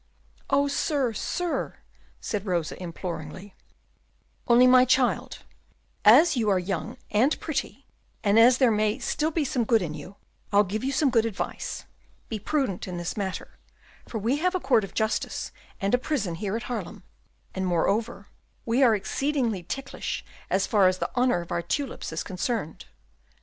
"Oh, sir, sir!" said Rosa, imploringly. "Only, my child," continued Van Systens, "as you are young and pretty, and as there may be still some good in you, I'll give you some good advice. Be prudent in this matter, for we have a court of justice and a prison here at Haarlem, and, moreover, we are exceedingly ticklish as far as the honour of our tulips is concerned.